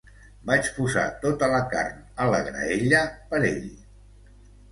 Vaig posar tota la carn a la graella per ell.